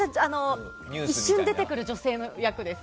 一瞬出てくる女性の役です。